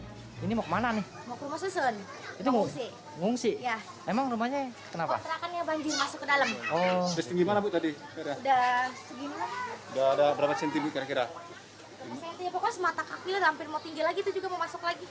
pokoknya semata kaki lah hampir mau tinggi lagi itu juga mau masuk lagi